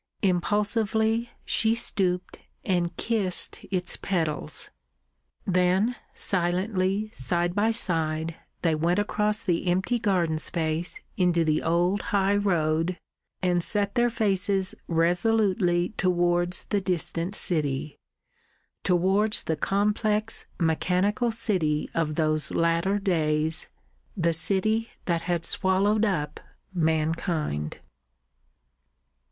Impulsively she stooped and kissed its petals. Then silently, side by side, they went across the empty garden space into the old high road, and set their faces resolutely towards the distant city towards the complex mechanical city of those latter days, the city that had swallowed up mankind.